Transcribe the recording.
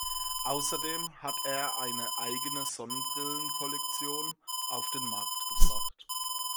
Außerdem hat er eine eigene Sonnenbrillen-Kollektion auf den Markt gebracht.